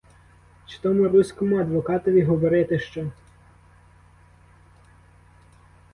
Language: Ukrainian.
Чи тому руському адвокатові говорити що?